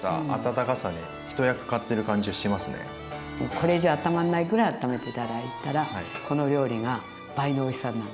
これ以上あったまんないぐらいあっためて頂いたらこのお料理が倍のおいしさになる。